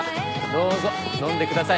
どうぞ飲んでください。